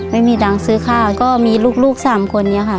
ไม่มีตังค์ซื้อข้าวก็มีลูก๓คนนี้ค่ะ